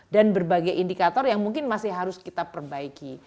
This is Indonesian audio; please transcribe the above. dan berbagai indikator yang mungkin masih harus kita perbaiki